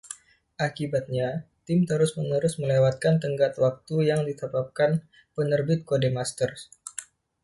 Akibatnya, tim terus-menerus melewatkan tenggat waktu yang ditetapkan penerbit Codemasters.